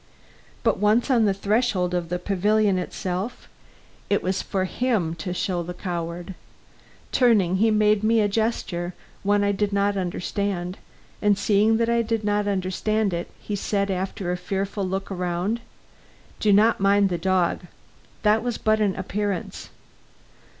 But once on the threshold of the pavilion itself, it was for him to show the coward. Turning, he made me a gesture; one I did not understand; and seeing that I did not understand it, he said, after a fearful look around: "Do not mind the dog; that was but an appearance.